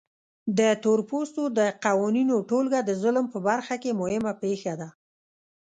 د تورپوستو د قوانینو ټولګه د ظلم په برخه کې مهمه پېښه ده.